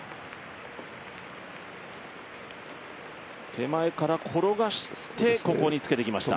手前から転がしてここにつけてきました。